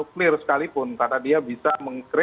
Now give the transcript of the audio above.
terbnp hal ini hal ini hal ini